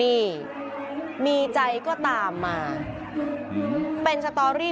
เมื่อวานหลังจากโพดำก็ไม่ได้ออกไปไหน